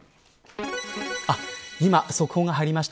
今、速報が入りました。